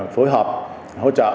phối hợp hỗ trợ